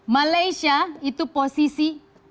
malaysia itu posisi dua puluh lima